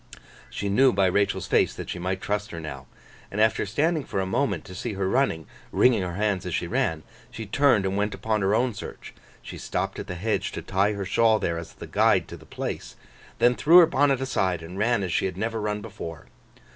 She knew by Rachael's face that she might trust her now. And after standing for a moment to see her running, wringing her hands as she ran, she turned and went upon her own search; she stopped at the hedge to tie her shawl there as a guide to the place, then threw her bonnet aside, and ran as she had never run before.